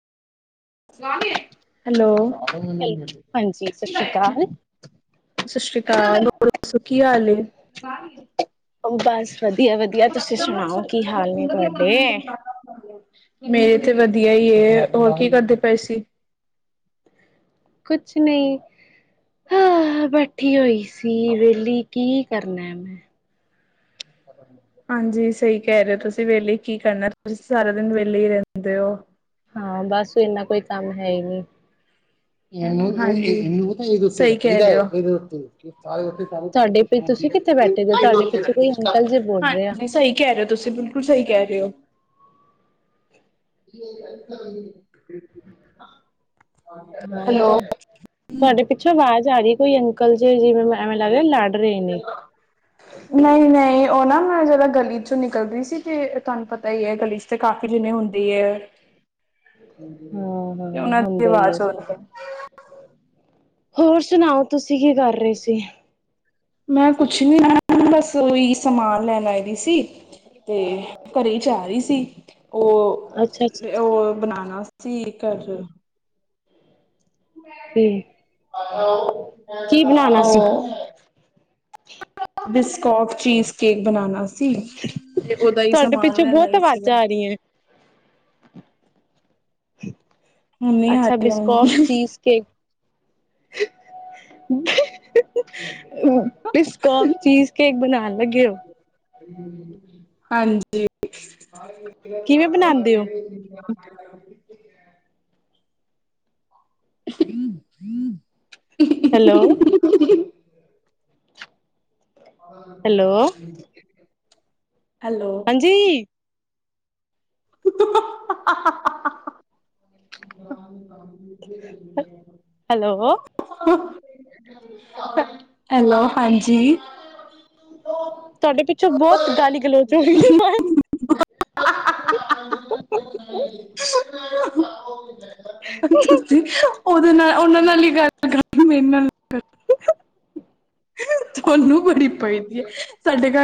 Hello. Hello ਹਾਂਜੀ ਸਤਿ ਸ਼੍ਰੀ ਅਕਾਲ ਸਤਿ ਸ੍ਰੀ ਅਕਾਲ ਹੋਰ ਦੱਸੋ ਕੀ ਹਾਲ ਏ। ਬਸ ਵਧੀਆ-ਵਧੀਆ, ਤੁਸੀਂ ਸੁਣਾਓ ਕੀ ਹਾਲ ਨੇ ਤੁਹਾਡੇ? ਮੇਰੇ ਤੇ ਵਧੀਆ ਹੀ ਏ ਹੋਰ ਕੀ ਕਰਦੇ ਪਏ ਸੀ? ਕੁਛ ਨਹੀਂ, ਹਾਂ ਬੈਠੀ ਹੋਈ ਸੀ ਵੇਹਲੀ ਕੀ ਕਰਨਾ ਮੈਂ। ਹਾਂਜੀ, ਸਹੀ ਕਹਿ ਰਹੇ ਹੋ ਤੁਸੀਂ ਵੇਲੇ ਕੀ ਕਰਨਾ ਤੁਸੀਂ ਸਾਰਾ ਦਿਨ ਵੇਲੇ ਹੀ ਰਹਿੰਦੇ ਹੋ। ਹਾਂ, ਬਸ ਇਨਾ ਕੋਈ ਕੰਮ ਹੈ ਹੀ ਨਹੀਂ। ਹਾਂਜੀ, ਸਹੀ ਕਹਿ ਰਹੇ ਹੋ। ਹਾਂ, ਤੁਹਾਡੇ ਪਿ ਤੁਸੀਂ ਕਿੱਥੇ ਬੈਠੇ ਹੋ ਤੁਹਾਡੇ ਪਿੱਛੇ ਕੋਈ ਅੰਕਲ ਜੇ ਬੋਲ ਰਹੇ ਆ ਸਹੀ ਕਹਿ ਰਹੇ। ਤੁਸੀਂ ਬਿਲਕੁਲ ਸਹੀ ਕਹਿ ਰਹੇ ਹੋ। ਹੋਰ ਕਿਆ। [unintelligible] ਹਾਂ, ਤੁਹਾਡੇ ਪਿੱਛੋਂ ਆਵਾਜ਼ ਆ ਰਹੀ ਕੋਈ। ਅੰਕਲ ਜੀ, ਜਿਵੇਂ ਐਵੇਂ ਲੱਗ ਰਿਹਾ, ਲੜ ਰਹੇ ਨੇ। ਨਹੀਂ-ਨਹੀਂ ਉਹ ਨਾ ਮੈਂ ਜਰਾ ਗਲੀ ਚੋਂ ਨਿਕਲਦੀ ਸੀ ਤੇ ਤੁਹਾਨੂੰ ਪਤਾ ਹੀ ਹੈ ਗਲੀ ਤੇ ਕਾਫੀ ਜਿਨੇ ਹੁੰਦੀ ਏ। ਹਾਂਜੀ, ਹਾਂ ਤੇ ਹਾਂ ਉਹਨਾਂ ਦੀ ਹੁੰਦਾ ਹੀ ਆਵਾਜ਼ ਸਹੀ ਆਉਂਦੀ ਹੈ। ਗੱਲ ਹੋਰ ਸੁਣਾਓ, ਤੁਸੀਂ ਕੀ ਕਰ ਰਹੇ ਸੀ? ਮੈਂ ਕੁਛ ਨੀ ਬਸ ਉਹੀ ਸਮਾਨ ਲੈਣ ਆਈ ਦੀ ਸੀ। ਤੇ ਘਰੇ ਹੀ ਜਾ ਰਹੀ ਸੀ, ਅੱਛਾ ਅੱਛਾ ਉ-ਉ ਬਣਾਣਾ ਠੀਕ ਅਜ। ਕਿ ਬਣਾਣਾ ਸੀਂ? ਬਿਸਕੌਕ ਚੀਜ਼ ਕੇਕ ਬਨਾਨਾ ਸੀ। ਠੀਕ, ਤੇ ਓਦਾ ਹੀ ਤੁਹਾਡੇ ਸਮਾਨ ਪਿੱਛੋਂ ਲੈਣ ਬਹੁਤ ਆਈ ਸੀ ਆਵਾਜ਼ਾਂ ਮੈਂ। ਆ ਰਹੀਆਂ ਹੁਣੇ ਆ ਅੱਛਾ, ਬਿਸਕੌਕ ਲਾਂਗੀ ਚੀਜ਼ ਕੇ ਬਿਸਕੌਕ ਚੀਜ਼ ਕੇਕ ਬਣਾਉਣ ਲੱਗੇ ਹੋ। ਹਾਂਜੀ। ਠੀਕ ਹੈ। ਕਿਵੇਂ ਬਣਾਉਂਦੇ ਹੋ? [unintelligible] ਹੂੰ। ਹੈਲੋ। Hello hello. ਜੀ। ਹਾਂਜੀ। [unintelligible] ਹੈਲੋ। ਹੈਲੋ, ਹਾਂਜੀ। ਤੁਹਾਡੇ ਪਿੱਛੋਂ ਬਹੁਤ ਗਾਲੀ ਗਲੋਚ ਹੋ ਰਹੀ ਹੈ। ਨਹੀਂ। [unintelligible] ਅੱਛਾ ਜੀ, ਉਹਦੇ ਨਾਲ ਉਹਨਾਂ ਨਾਲ ਹੀ ਗੱਲ ਕਰਨੀ ਮੇਰੇ ਨਾਲ ਤੁਹਾਨੂੰ ਬੜੀ ਪਈਦੀ ਹੈ ਸਾਡੇ ਘਰ